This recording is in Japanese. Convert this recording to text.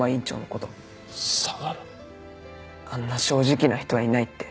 「あんな正直な人はいない」って。